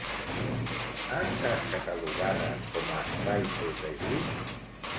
Ha estat catalogada com a espai protegit?